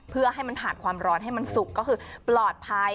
เพื่อให้มันผ่านความร้อนให้มันสุกก็คือปลอดภัย